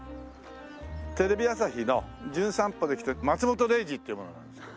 テレビ朝日の『じゅん散歩』で来た松本零士っていう者なんですけども。